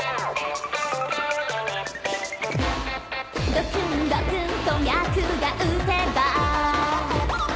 「ドクンドクンと脈が打てば」